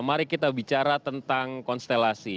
mari kita bicara tentang konstelasi